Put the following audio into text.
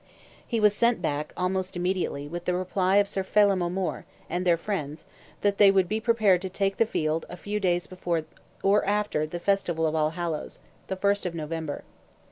He was sent back, almost immediately, with the reply of Sir Phelim, O'Moore and their friends, that they would be prepared to take the field a few days before or after the festival of All Hallows—the 1st of November.